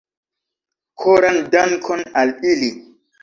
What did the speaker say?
Koran dankon al ili.